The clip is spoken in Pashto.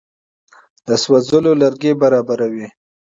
د سون لرګي برابروي.